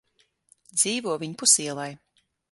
Dzīvo viņpus ielai.